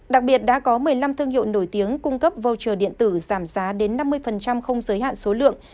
đặc biệt đã có một mươi năm thương hiệu nổi tiếng cung cấp voucher điện tử giảm giá đến năm mươi không giới hạn số lượng